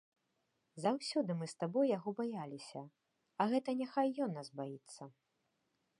Заўсёды мы з табой яго баяліся, а гэта няхай ён нас баіцца.